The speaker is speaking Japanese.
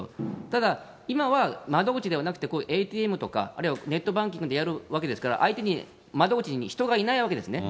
ただ、今は窓口ではなくてＡＴＭとか、あるいはネットバンキングでやるわけですから、相手に窓口に人がいないわけですね。